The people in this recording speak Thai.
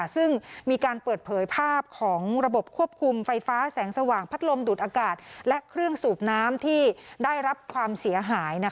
ซึ่งมีการเปิดเผยภาพของระบบควบคุมไฟฟ้าแสงสว่างพัดลมดูดอากาศและเครื่องสูบน้ำที่ได้รับความเสียหาย